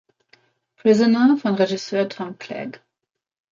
Prisoner" von Regisseur Tom Clegg.